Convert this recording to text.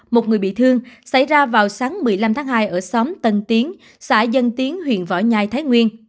một người bị thương xảy ra vào sáng một mươi năm tháng hai ở xóm tân tiến xã dân tiến huyện võ nhai thái nguyên